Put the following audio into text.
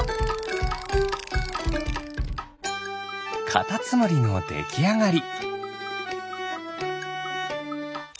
カタツムリのできあがり。